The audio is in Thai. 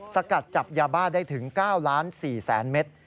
สกัดจับยาบ้าได้ถึง๙๔๐๐๐เมตร